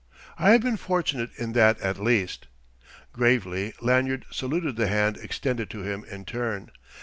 "I have been fortunate in that at least." Gravely Lanyard saluted the hand extended to him in turn.